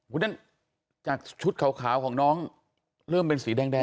อุ้ยนั่นจากชุดขาวของน้องเริ่มเป็นสีแดงแล้วนะ